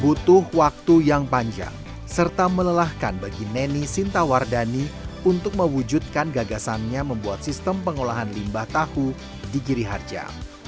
butuh waktu yang panjang serta melelahkan bagi neni sintawardani untuk mewujudkan gagasannya membuat sistem pengolahan limbah tahu di giri harja